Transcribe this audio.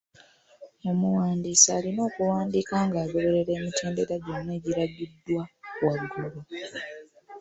Omuwandiisi alina okuwandiika ng'agoberera emitendera gyonna egiragiddwa waggulu.